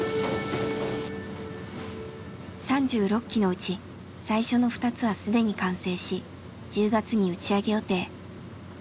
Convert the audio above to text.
３６機のうち最初の２つは既に完成し１０月に打ち上げ予定。